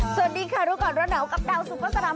สวัสดีค่ะดูก่อนน้ำกับดัวสูงปะสลาม